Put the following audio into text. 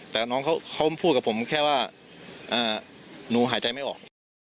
แต่น้องเขาพูดกับผมแค่ว่าหนูหายใจไม่ออก